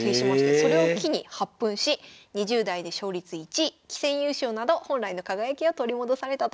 それを機に発奮し２０代で勝率１位棋戦優勝など本来の輝きを取り戻されたということです。